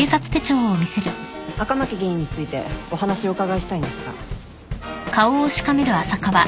赤巻議員についてお話お伺いしたいんですが。